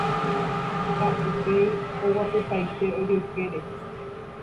ha upéi oguapypaite ojoykére